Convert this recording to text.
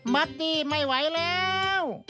มัดดีไม่ไหวแล้ว